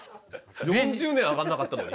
４０年上がんなかったのに？